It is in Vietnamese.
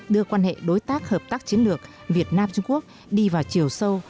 đưa quan hệ đối tác hợp tác chiến lược việt nam trung quốc đi vào chiều sâu